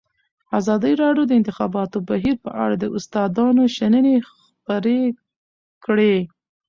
ازادي راډیو د د انتخاباتو بهیر په اړه د استادانو شننې خپرې کړي.